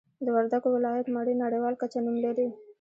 د وردګو ولایت مڼې نړیوال کچه نوم لري